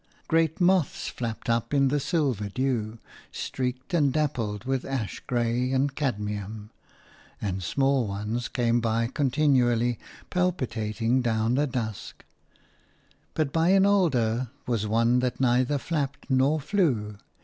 Great moths flapped up in the silver dew, streaked and dappled with ash grey and cadmium, and small ones came by continually, palpitating down the dusk: but by an alder was one that neither flapped nor flew.